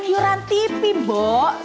sakit uang tv dan rapi